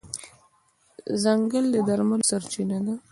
ځنګل د درملو سرچینه ده.